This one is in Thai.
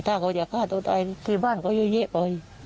ถ้าเขาจะฆ่าตัวตายคือบ้านก็เยอะเยอะไป